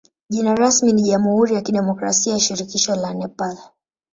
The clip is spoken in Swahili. Jina rasmi ni jamhuri ya kidemokrasia ya shirikisho la Nepal.